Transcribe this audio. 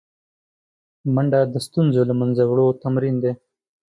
منډه د ستونزو له منځه وړو تمرین دی